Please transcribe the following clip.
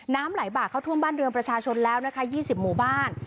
น้ำไหลบากเข้าท่วมบ้านเรือนประชาชนแล้วนะคะ๒๐หมู่บ้าน